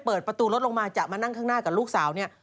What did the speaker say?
เปิดประตูรถลงมาจะมานั่งข้างหน้ากับลูกสาวเนี่ย